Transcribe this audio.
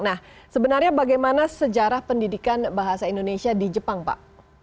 nah sebenarnya bagaimana sejarah pendidikan bahasa indonesia di jepang pak